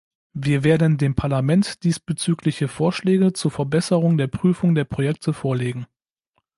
Wir werden dem Parlament diesbezügliche Vorschläge zur Verbesserung der Prüfung der Projekte vorlegen.